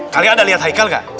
kalian ada lihat haikal gak